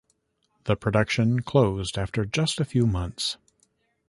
The production closed after just a few months.